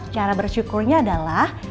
cara bersyukurnya adalah